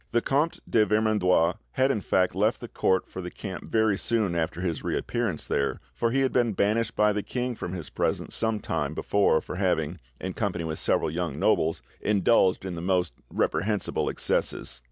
The Comte de Vermandois had in fact left the court for the camp very soon after his reappearance there, for he had been banished by the king from his presence some time before for having, in company with several young nobles, indulged in the most reprehensible excesses.